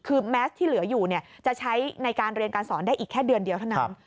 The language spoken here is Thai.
คือแมสที่เหลืออยู่จะใช้ในการเรียนการสอนได้อีกแค่เดือนเดียวเท่านั้น